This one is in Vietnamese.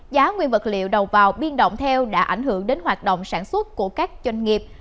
giá nguyên vật liệu đầu vào biên động theo đã ảnh hưởng đến hoạt động sản xuất của các doanh nghiệp